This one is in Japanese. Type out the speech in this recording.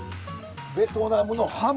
ベトナムのハム？